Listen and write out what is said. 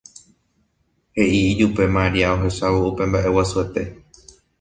he'i ijupe Maria ohechávo upe mba'e guasuete.